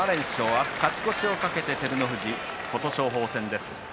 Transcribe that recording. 明日、勝ち越しを懸けて照ノ富士は琴勝峰戦です。